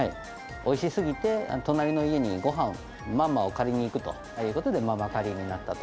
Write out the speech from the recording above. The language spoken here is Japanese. おいしすぎて、隣の家にごはん、まんまを借りに行くということで、ママカリになったと。